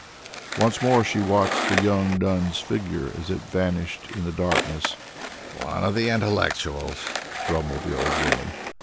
Once more she watched the young nun's figure as it vanished in the darkness. "One of the intellectuals!" grumbled the old woman.